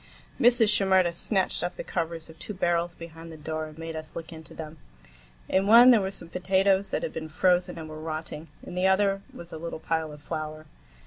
Mrs. Shimerda snatched off the covers of two barrels behind the door, and made us look into them. In one there were some potatoes that had been frozen and were rotting, in the other was a little pile of flour.